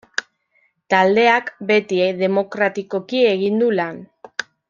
Taldeak beti demokratikoki egin du lan.